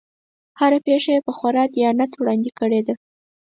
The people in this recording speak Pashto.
هره پېښه یې په خورا دیانت وړاندې کړې ده.